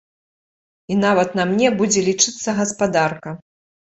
І нават на мне будзе лічыцца гаспадарка.